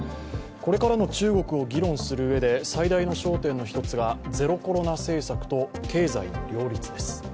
これからの中国を議論するうえで最大の焦点の一つがゼロコロナ政策と経済の両立です。